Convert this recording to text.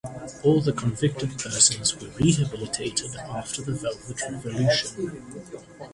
All the convicted persons were rehabilitated after the Velvet Revolution.